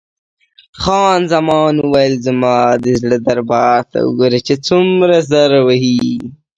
خان زمان وویل: زما د زړه دربا ته وګوره چې څومره زر وهي.